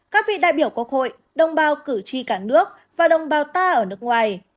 các vị đại biểu quốc hội đồng bào cử tri cả nước và đồng bào ta ở nước ngoài